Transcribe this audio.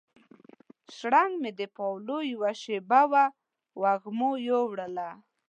شرنګ مې د پاولو یوه شیبه وه وږمو یووړله